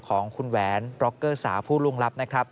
ของคุณแหวนร็อกเกอร์สาวผู้ล่วงลับนะครับ